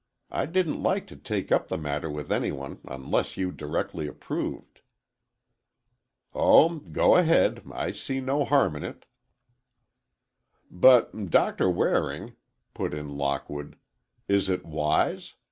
I didn't like to take up the matter with any one unless you directly approved." "Oh, go ahead,—I see no harm in it." "But, Doctor Waring," put in Lockwood, "is it wise?